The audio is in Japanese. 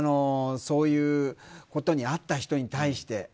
そういうことに遭った人に対して。